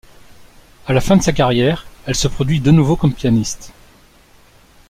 À la fin de sa carrière, elle se produit de nouveau comme pianiste.